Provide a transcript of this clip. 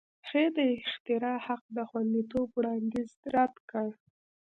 هغې د اختراع حق د خوندیتوب وړاندیز رد کړ.